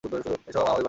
S মা, আমাদের ঘরে এস।